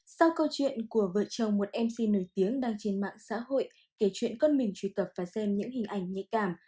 sau câu chuyện của vợ chồng một mc nổi tiếng đang trên mạng xã hội kể chuyện con mình truy cập và xem những hình ảnh nhạy cảm